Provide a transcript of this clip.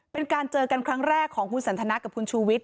เป็นการเจอกันครั้งแรกของคุณสันทนากับคุณชูวิทย